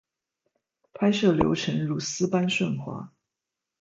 拍摄流程如丝般顺滑